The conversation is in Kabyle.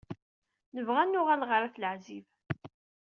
Nebɣa ad d-nuɣal ɣer At Leɛzib.